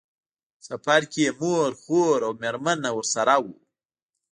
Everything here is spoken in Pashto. په سفر کې یې مور، خور او مېرمنه ورسره وو.